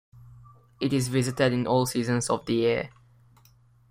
It is visited in all seasons of the year.